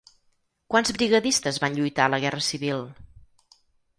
Quants brigadistes van lluitar a la Guerra Civil?